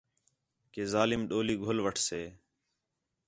کہ ظالم ݙولی گھل وٹھسے